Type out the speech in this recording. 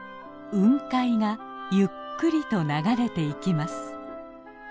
雲海がゆっくりと流れていきます。